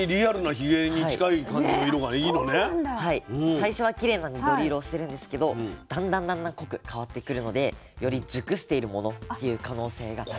最初はきれいな緑色をしてるんですけどだんだんだんだん濃く変わってくるのでより熟しているものっていう可能性が高くて。